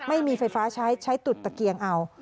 ไม่มีไฟฟ้าใช้ใช้ตุดตะเกียงเอา